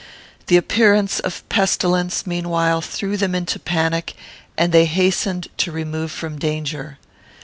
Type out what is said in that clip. The appearance of pestilence, meanwhile, threw them into panic, and they hastened to remove from danger.